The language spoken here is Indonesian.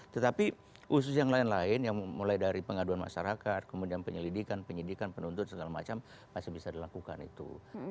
tetapi khusus yang lain lain yang mulai dari pengaduan masyarakat kemudian penyelidikan penyidikan penuntut segala macam masih bisa dilakukan itu